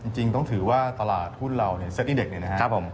จริงต้องถือว่าตลาดหุ้นเราเซทนี่เด็กนะครับ